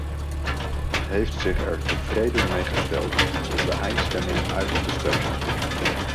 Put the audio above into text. Het heeft zich er tevreden mee gesteld om de eindstemming uit te stellen.